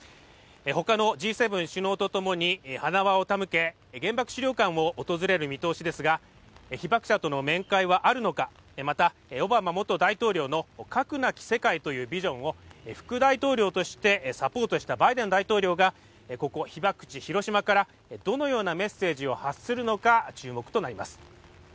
他のＧ７首脳とともに花輪を手向け原爆資料館を訪れる見通しですが、被爆者との面会はあるのか、また、オバマ元大統領の核なき世界というビジョンを副大統領としてサポートしたバイデン大統領がここ被爆地・広島からどのようなメッセージを発するのか、注目となります。